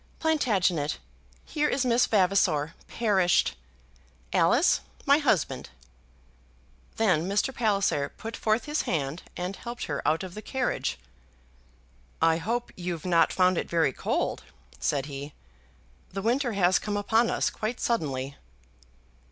Plantagenet, here is Miss Vavasor, perished. Alice, my husband." Then Mr. Palliser put forth his hand and helped her out of the carriage. "I hope you've not found it very cold," said he. "The winter has come upon us quite suddenly."